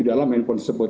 di dalam handphone tersebut